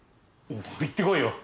ああ行ってこいよ。